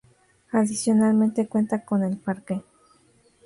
Adicionalmente, cuenta con El Parque.